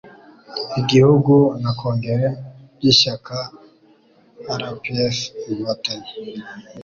igihugu na kongere by ishyaka rpf inkotanyi